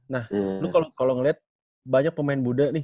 nah lu kalo ngeliat banyak pemain muda nih